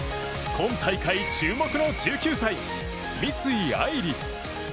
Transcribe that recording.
今大会注目の１９歳三井愛梨。